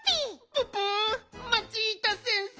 ププマチータ先生